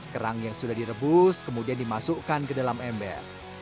kerang yang sudah direbus kemudian dimasukkan ke dalam ember